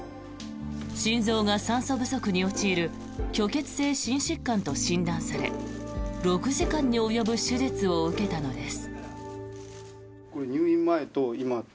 心臓が酸素不足に陥る虚血性心疾患と診断され６時間に及ぶ手術を受けたのです。